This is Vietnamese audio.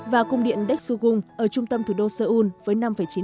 và cung điện decsugung ở trung tâm thủ đô seoul với năm chín